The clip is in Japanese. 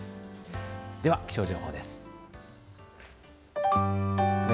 では気象情報です。